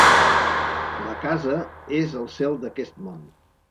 La casa és el cel d'aquest món.